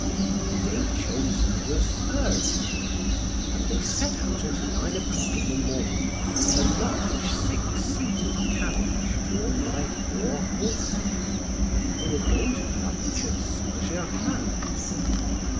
The day chosen was Thursday, and they set out at nine o'clock in the morning in a large six seated carriage drawn by four horses. They were going to lunch at Saint Germain.